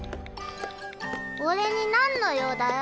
俺になんの用だよ？